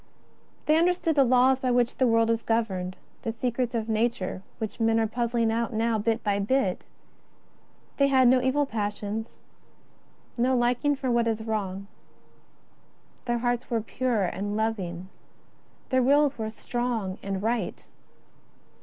They understood the 22 JESUS OF NAZARETH. 23 laws by which this world is governed, the secrets of ISTature which men are puzzling out now bit by bit. They had no evil passions, no liking for what is wrong. Their hearts were pure and loving; their wills were strong and right.